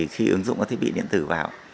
khi ứng dụng cái thiết bị điện tử vào